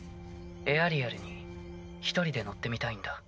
エアリアルに一人で乗ってみたいんだ。